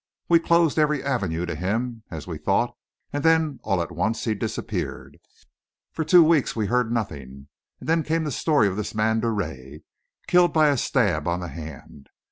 We closed every avenue to him, as we thought and then, all at once, he disappeared. "For two weeks we heard nothing then came the story of this man Drouet, killed by a stab on the hand.